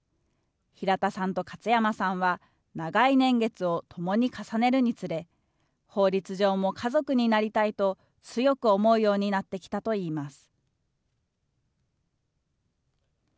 平田さんと勝山さんは長い年月を共に重ねるにつれ、法律上も家族になりたいと、強く思うようになってきたといいます。